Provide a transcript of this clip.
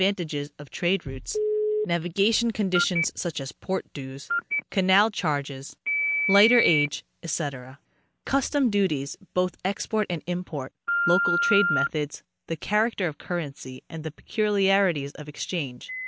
tages of trade routes; navigation conditions, such as port dues, canal charges, lighterage, ete ; custom duties, both export and import; local trade methods; the character of currency and the peculiarities of exchange.